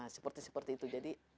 seperti seperti itu jadi